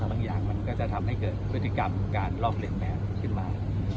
บางอย่างมันก็จะทำให้เกิดพฤติกรรมการลอกเรียนแบบขึ้นมา